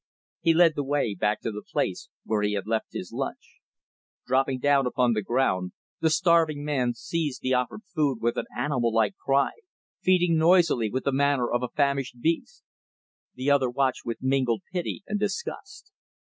He led the way back to the place where he had left his lunch. Dropping down upon the ground, the starving man seized the offered food with an animal like cry; feeding noisily, with the manner of a famished beast. The other watched with mingled pity and disgust.